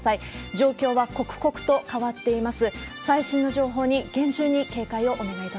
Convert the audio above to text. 状況は刻々と変わっています。